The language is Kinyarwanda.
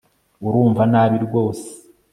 Urumva nabi rwose